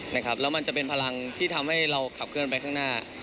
แล้วมันจะเป็นพลังที่ทำให้เราขับเคลื่อนไปข้างหน้า